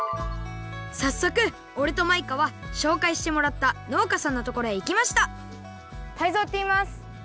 さっそくおれとマイカはしょうかいしてもらったのうかさんのところへいきましたタイゾウといいます。